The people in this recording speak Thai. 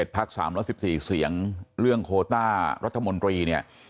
๑๑พัก๓๑๔เสียงเรื่องโคต้ารัฐมนตรี